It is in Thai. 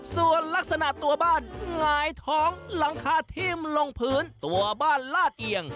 ส่วนลักษณะตัวบ้านหงายท้องหลังคาทิ่มลงพื้นตัวบ้านลาดเอียง